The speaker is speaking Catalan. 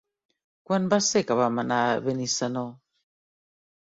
Quan va ser que vam anar a Benissanó?